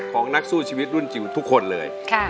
นักสู้ชีวิตรุ่นจิ๋วทุกคนเลย